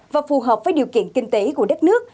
và phù hợp với điều kiện kinh tế của đất nước